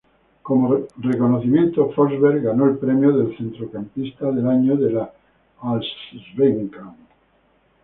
Como reconocimiento Forsberg ganó el premio al centrocampista del año de la Allsvenskan.